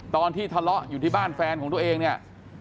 ตอนที่ทะเลาะอยู่ที่บ้านแฟนของตัวเองเนี่ย